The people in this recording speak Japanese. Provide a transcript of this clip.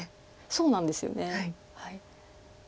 そうなんですよね。